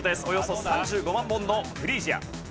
およそ３５万本のフリージア。